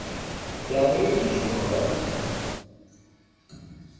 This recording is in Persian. جعبهی پیشنهادات